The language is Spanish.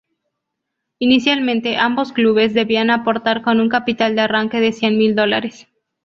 Inicialmente ambos clubes debían aportar con un capital de arranque de cien mil dólares.